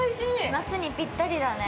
夏にぴったりだね。